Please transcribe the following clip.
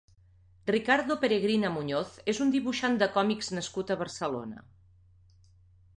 Ricardo Peregrina Muñoz és un dibuixant de còmics nascut a Barcelona.